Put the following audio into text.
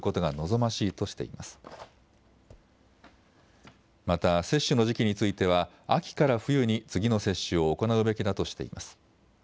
また、接種の時期については、秋から冬に次の接種を行うべきだとしています。